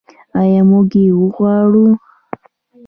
آیا موږ یې غواړو؟